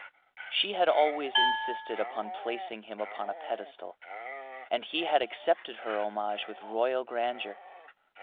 She had always insisted upon placing him upon a pedestal, and he had accepted her homage with royal grandeur.